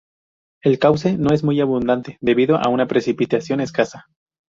El cauce no es muy abundante debido a una precipitación escasa.